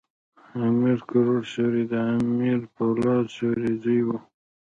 امیر کروړ سوري د امیر پولاد سوري زوی ؤ.